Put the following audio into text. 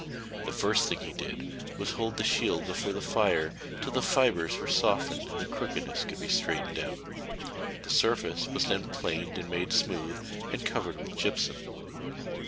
The first thing he did was to hold the shield before the fire till the fibres were softened and the crookedness could be straightened out. The surface was then planed and made smooth, and covered with gypsum.